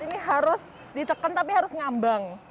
ini harus ditekan tapi harus ngambang